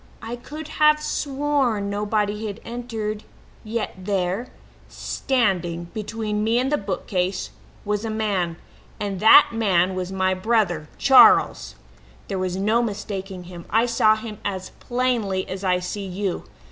I could have sworn nobody had entered, yet there, standing between me and the bookcase, was a man and that man was my brother Charles! "There was no mistaking him; I saw him as plainly as I see you.